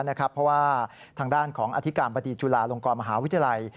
เพราะว่าทางด้านของอธิการบดีจุฬาลงกรมหาวิทยาลัย